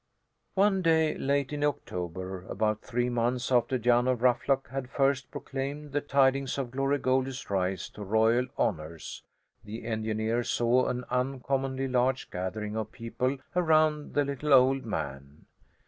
One day, late in October, about three months after Jan of Ruffluck had first proclaimed the tidings of Glory Goldie's rise to royal honours, the engineer saw an uncommonly large gathering of people around the little old man.